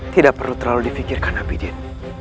tidak perlu terlalu difikirkan habidin